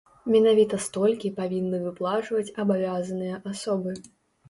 Менавіта столькі павінны выплачваць абавязаныя асобы.